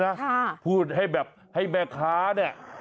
พูดแบบดังเลยนะพูดให้แบบให้แม่ค้าเนี่ย